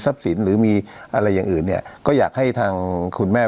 สินหรือมีอะไรอย่างอื่นเนี่ยก็อยากให้ทางคุณแม่